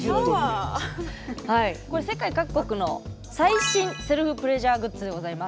これ世界各国の最新セルフプレジャーグッズでございます。